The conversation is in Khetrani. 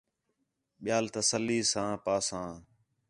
ٻیال تسلّی ساں پاساں